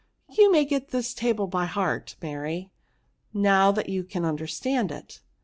'* You may get this table by hearty Mary^ now that you can understand it."